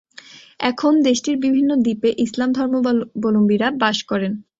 এখন দেশটির বিভিন্ন দ্বীপে ইসলাম ধর্মাবলম্বীরা বাস করেন।